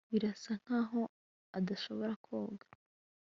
birasa nkaho adashobora koga